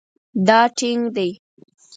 دا ټینګ دی